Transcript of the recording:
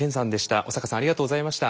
小坂さんありがとうございました。